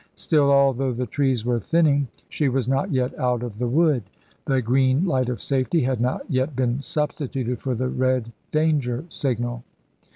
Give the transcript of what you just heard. Still, although the trees were thinning, she was not yet out of the wood. The green light of safety had not yet been substituted for the red danger signal.